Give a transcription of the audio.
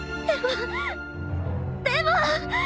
でもでも！